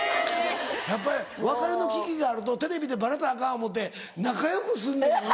やっぱり別れの危機があるとテレビでバレたらアカン思うて仲よくすんのやろな。